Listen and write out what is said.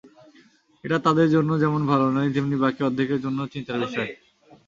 এটা তাদের জন্য যেমন ভালো নয়, তেমনি বাকি অর্ধেকের জন্যও চিন্তার বিষয়।